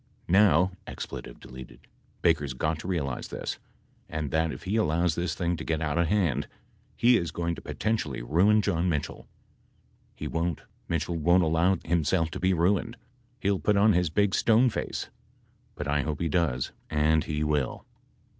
Now, (expletive deleted) . Baker's got to realize this, and that if he allows this thing to get out of hand he is going to potentially ruin John Mitchell. He won't. Mitchell won't allow himself to be ruined. He will put on his big stone face. But / hope he does and he will.